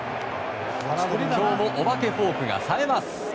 今日もお化けフォークが冴えます。